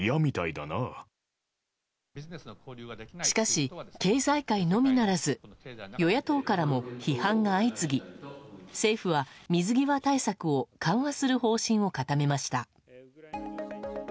しかし、経済界のみならず与野党からも批判が相次ぎ政府は水際対策を緩和する方針を固めました。